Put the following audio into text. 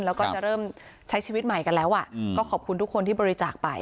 แล้วก็จะเริ่มใช้ชีวิตใหม่กันแล้วก็ขอบคุณทุกคนที่บริจาคไป